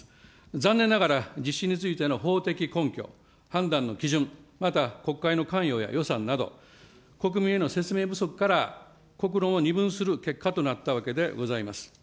残念ながら、実施についての法的根拠、判断の基準、また国会の関与や予算など、国民への説明不足から、国論を二分する結果となったわけでございます。